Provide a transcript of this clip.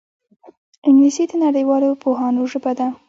انګلیسي د نړیوالو پوهانو ژبه ده